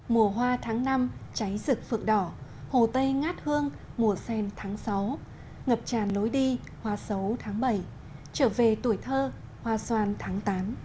mùa hoa tháng năm cháy rực phượng đỏ hồ tây ngát hương mùa sen tháng sáu ngập tràn lối đi hoa sấu tháng bảy trở về tuổi thơ hoa xoan tháng tám